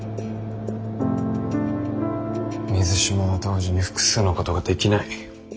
水島は同時に複数のことができない。